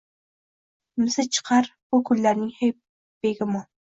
Misi chiqar bu kunlarning hech begumon.